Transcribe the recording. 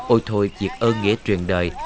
ôi thôi việc ơn nghệ truyền đời